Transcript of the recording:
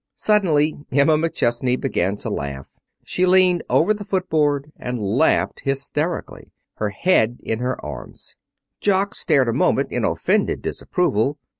Suddenly Emma McChesney began to laugh. She leaned over the footboard and laughed hysterically, her head in her arms. Jock stared a moment in offended disapproval.